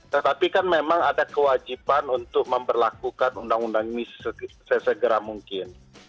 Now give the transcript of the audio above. tetapi kan memang ada kewajiban untuk memperlakukan undang undang ini sesegera mungkin